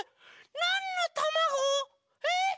なんのたまご？えっ！